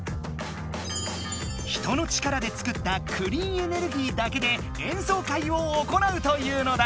人の力で作ったクリーンエネルギーだけで演奏会を行うというのだ。